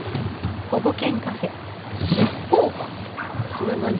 それ何？